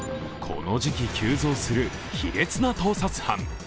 この時期急増する卑劣な盗撮犯。